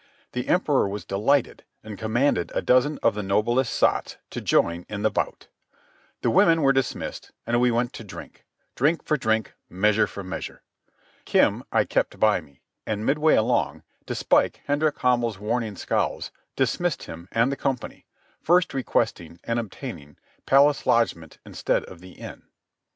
The Emperor was delighted, and commanded a dozen of the noblest sots to join in the bout. The women were dismissed, and we went to it, drink for drink, measure for measure. Kim I kept by me, and midway along, despite Hendrik Hamel's warning scowls, dismissed him and the company, first requesting, and obtaining, palace lodgment instead of the inn.